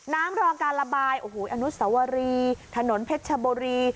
รอการระบายโอ้โหอนุสวรีถนนเพชรชบุรี